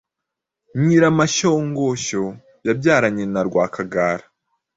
Nyiramashyongoshyo yabyaranye na Rwakagara